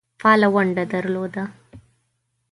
فعاله ونډه درلوده.